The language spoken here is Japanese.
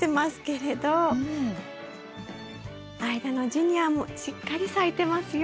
間のジニアもしっかり咲いてますよ。